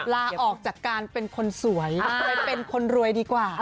ลาออกจากการเป็นคนสวยเป็นคนรวยดีกว่า